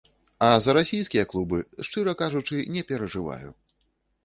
А за расійскія клубы, шчыра кажучы, не перажываю.